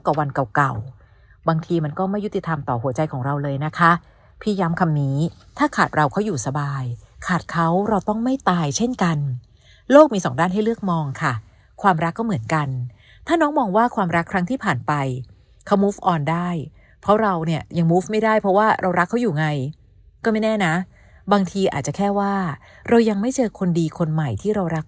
วันเก่าเก่าบางทีมันก็ไม่ยุติธรรมต่อหัวใจของเราเลยนะคะพี่ย้ำคำนี้ถ้าขาดเราเขาอยู่สบายขาดเขาเราต้องไม่ตายเช่นกันโลกมีสองด้านให้เลือกมองค่ะความรักก็เหมือนกันถ้าน้องมองว่าความรักครั้งที่ผ่านไปเขามูฟออนได้เพราะเราเนี่ยยังมูฟไม่ได้เพราะว่าเรารักเขาอยู่ไงก็ไม่แน่นะบางทีอาจจะแค่ว่าเรายังไม่เจอคนดีคนใหม่ที่เรารัก